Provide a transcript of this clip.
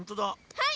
はい。